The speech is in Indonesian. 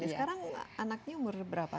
sekarang anaknya umur berapa